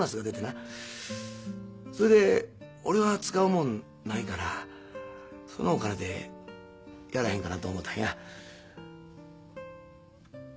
それで俺は使うもんないからそのお金でやらへんかなと思たんや。